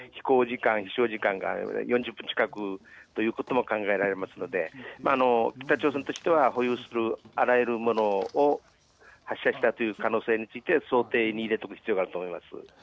飛しょう時間が４０分近くということも考えられますので北朝鮮としては保有するあらゆるものを発射したという可能性について想定に入れておく必要があると思います。